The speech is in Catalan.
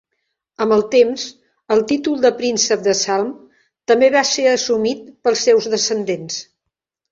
Amb el temps, el títol de príncep de Salm també va ser assumit pels seus descendents.